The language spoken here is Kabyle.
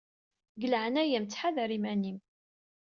Deg leɛnaya-m ttḥadar iman-im!